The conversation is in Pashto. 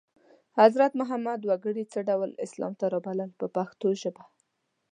حضرت محمد وګړي څه ډول اسلام ته رابلل په پښتو ژبه.